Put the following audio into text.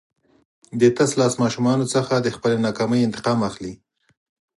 د تشلاس ماشومانو څخه د خپلې ناکامۍ انتقام اخلي.